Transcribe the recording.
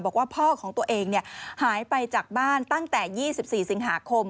บอกว่าพ่อของตัวเองหายไปจากบ้านตั้งแต่๒๔สิงหาคม